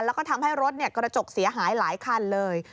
แล้วก็ทำให้รถกระจกเสียหายหลายคันเลย